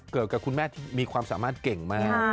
กับคุณแม่ที่มีความสามารถเก่งมาก